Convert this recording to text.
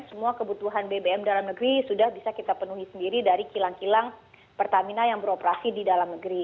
semua kebutuhan bbm dalam negeri sudah bisa kita penuhi sendiri dari kilang kilang pertamina yang beroperasi di dalam negeri